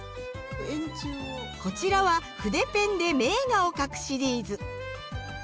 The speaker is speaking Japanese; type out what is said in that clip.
こちらは筆ペンで名画を描くシリーズ。